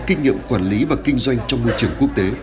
kinh nghiệm quản lý và kinh doanh trong môi trường